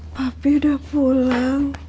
papi udah pulang